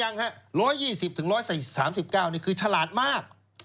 ยังค่ะ๑๒๐ถึง๑๓๙คือฉลาดมาก